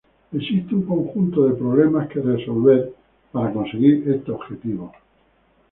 Existen un conjunto de problemas que resolver para conseguir este objetivo.